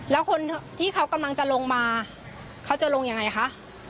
แล้วคนที่เขากำลังจะลงมาเขาจะลงยังไงคะ